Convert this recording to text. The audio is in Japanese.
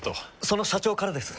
その社長からです。